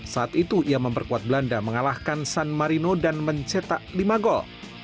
saat itu ia memperkuat belanda mengalahkan san marino dan mencetak lima gol